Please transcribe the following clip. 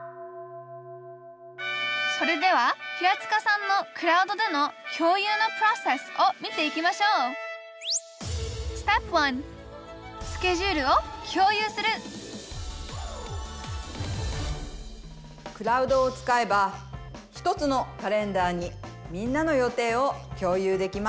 それでは平塚さんのクラウドでの共有のプロセスを見ていきましょうクラウドを使えば１つのカレンダーにみんなの予定を共有できます。